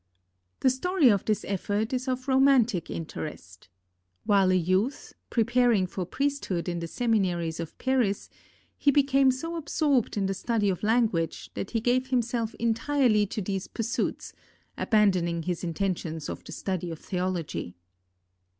The story of this effort is of romantic interest. While a youth, preparing for priesthood in the seminaries of Paris, he became so absorbed in the study of language, that he gave himself entirely to these pursuits, abandoning his intentions of the study of theology.